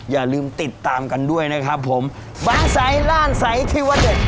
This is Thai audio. อย่าลืมติดตามกันด้วยนะครับผมบางสายล่านใสที่ว่าเด็ด